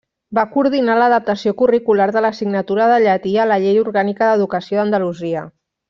Va coordinar l'adaptació curricular de l'assignatura de llatí a la Llei Orgànica d'Educació d'Andalusia.